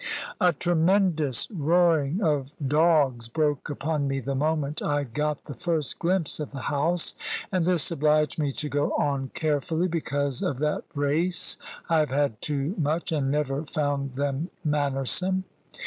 A tremendous roaring of dogs broke upon me the moment I got the first glimpse of the house; and this obliged me to go on carefully, because of that race I have had too much, and never found them mannersome.